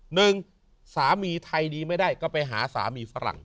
หนึ่งสามีไทยดีไม่ได้ก็ไปหาสามีฝรั่ง